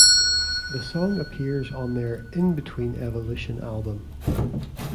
The song appears on their "In Between Evolution" album.